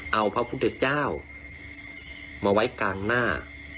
เอาพระพุทธเจ้ามาไว้กลางหน้า